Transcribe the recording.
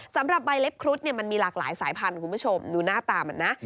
สำหรับใบเล็บครุฑเนี่ยมันมีหลากหลายสายพันธุ์คุณผู้ชมดูหน้าตามันนะ